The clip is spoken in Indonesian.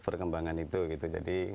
perkembangan itu jadi